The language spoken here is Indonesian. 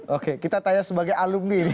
oke kita tanya sebagai alumni ini ya